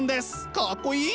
かっこいい！